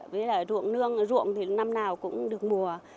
với lại ruộng nương ruộng thì năm nào cũng được mùa